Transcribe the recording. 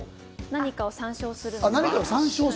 何かを参照するの参照。